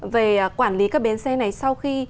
về quản lý các bến xe này sau khi